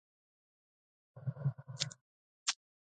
فراه رود سیند له کومه راځي؟